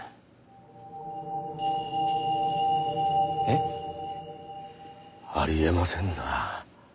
えっ？あり得ませんな。